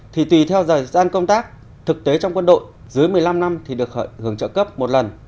thì tùy theo thời gian công tác thực tế trong quân đội dưới một mươi năm năm thì được hưởng trợ cấp một lần